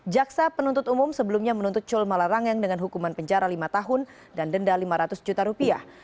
jaksa penuntut umum sebelumnya menuntut cul malarangeng dengan hukuman penjara lima tahun dan denda lima ratus juta rupiah